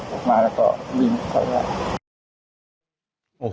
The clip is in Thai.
ออกมาแล้วก็ยิงเขาแหละ